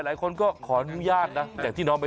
หลายคนก็ขออนุญาตนะ